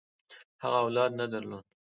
هغه اولاد نه درلود.